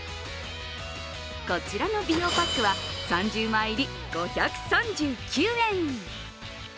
こちらの美容パックは３０枚入り、５３９円。